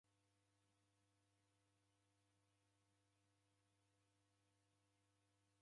Kila ituku kudanizighiria malagho nisebonyere